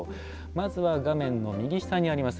まずは画面の右下にあります